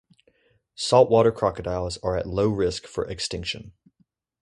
Saltwater crocodiles are at low risk for extinction.